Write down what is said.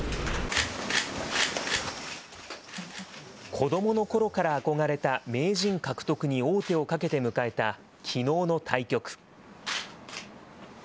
子どものころから憧れた名人獲得に王手をかけて迎えたきのうの対局。